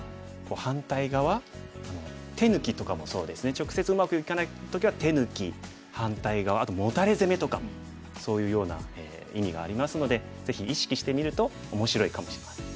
直接うまくいかない時は手抜き反対側あとモタレ攻めとかもそういうような意味がありますのでぜひ意識してみると面白いかもしれません。